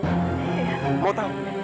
iya aku mau tau